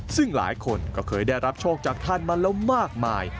ซึ่งหลายคนก็เคยได้รับโชคจากท่านมาแล้วมากมาย